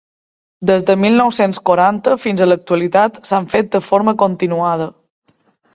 Des del mil nou-cents quaranta fins a l'actualitat s'han fet de forma continuada.